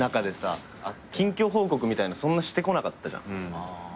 近況報告みたいなそんなしてこなかったじゃん。